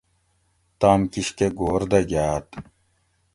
تام کِشکہ گھور دہ گاۤت